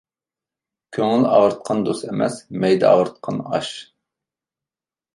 كۆڭۈل ئاغرىتقان دوست ئەمەس، مەيدە ئاغرىتقان ئاش.